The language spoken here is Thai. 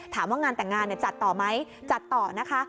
ถามว่างานแต่งงานจัดต่อไหมจัดต่อนะคะ